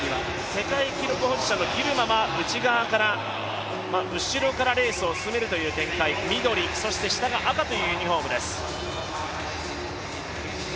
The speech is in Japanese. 世界記録保持者のギルマは後ろからレースを進めるという展開緑、そして下が赤というユニフォームです。